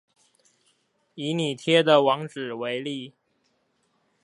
以你貼的網址為例